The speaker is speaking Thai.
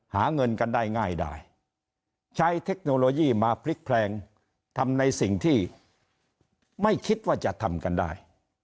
หาเงินกันได้ง่ายได้ใช้เทคโนโลยีมาพลิกแพลงทำในสิ่งที่ไม่คิดว่าจะทำกันได้